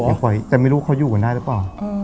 คอยแต่ไม่รู้เขาอยู่กันได้หรือเปล่า